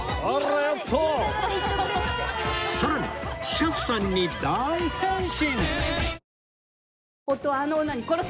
さらに車夫さんに大変身！